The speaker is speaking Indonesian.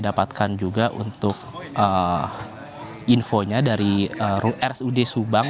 dapatkan juga untuk infonya dari rsud subang